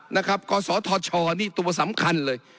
นะครับกศธชนี่ตัวสำคัญเลย